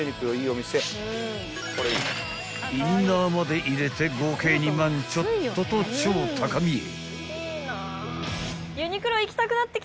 ［インナーまで入れて合計２万ちょっとと超高見え］